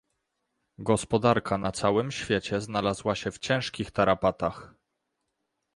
Gospodarka na całym świecie znalazła się w ciężkich tarapatach